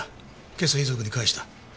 今朝遺族に返した。